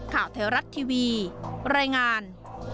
ข่าวเทวรัฐทีวีรายงาน